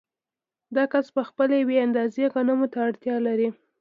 دا کس په خپله یوې اندازې غنمو ته اړتیا لري